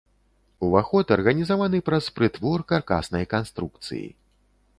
Уваход арганізаваны праз прытвор каркаснай канструкцыі.